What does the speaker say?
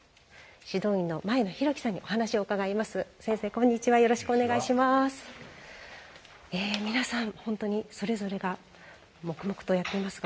指導員の前野浩貴さんにお話を伺います。